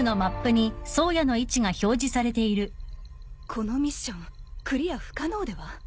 このミッションクリア不可能では？